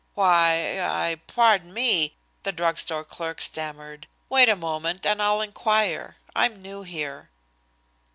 "Why I pardon me " the drug store clerk stammered. "Wait a moment and I'll inquire. I'm new here."